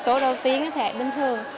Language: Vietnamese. tối đầu tiên thịt bình thường